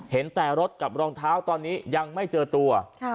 เห็นแต่รถกับรองเท้าตอนนี้ยังไม่เจอตัว